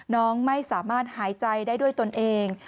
น้องไม่สามารถหายใจได้ด้วยตนเอง